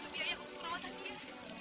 biaya untuk perawatan dia